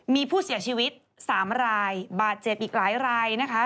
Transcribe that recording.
มีผู้เสียชีวิต๓รายบาดเจ็บอีกหลายรายนะคะ